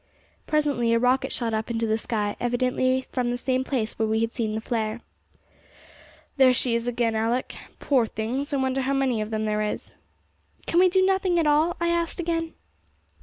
Presently a rocket shot up into the sky, evidently from the same place where we had seen the flare. 'There she is again, Alick! Poor things! I wonder how many of them there is.' 'Can we do nothing at all?' I asked again.